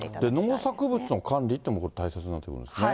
農作物の管理っていうのも大切になってくるんですね。